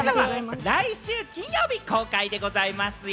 映画は来週金曜日、公開でございますよ。